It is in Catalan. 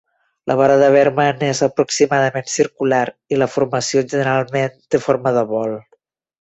La vora de Bergman és aproximadament circular i la formació generalment té forma de bol.